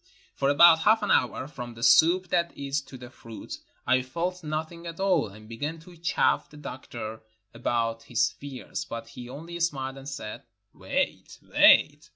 For about half an hour, from the soup, that is, to the fruit, I felt nothing at all, and began to chaff the doctor about his fears, but he only smiled and said, "Wait, wait."